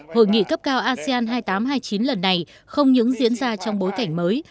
hội nghị cấp cao asean hai nghìn tám trăm hai mươi chín lần này không những diễn ra trong bối cảnh mới